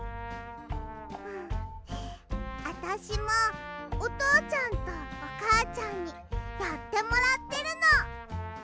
あたしもおとうちゃんとおかあちゃんにやってもらってるの。